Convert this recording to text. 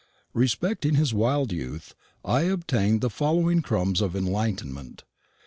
Respecting his wild youth I obtained the following crumbs of enlightenment.